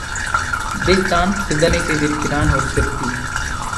இதைத்தான் சிந்தனை செய்திருக்கிறான் ஒரு சிற்பி.